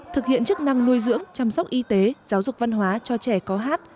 thực hiện chức năng nuôi dưỡng chăm sóc y tế giáo dục văn hóa cho trẻ có hát